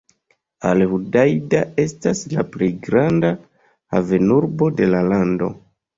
Al-Hudaida estas la plej granda havenurbo de la lando.